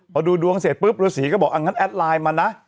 พอดูดวงเสร็จฤษีก็บอกอันนั้นแอดไลน์มานะ